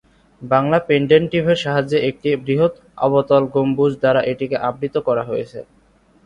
বাংলা পেন্ডেন্টিভের সাহায্যে একটি বৃহৎ অবতল গম্বুজ দ্বারা এটিকে আবৃত করা হয়েছে।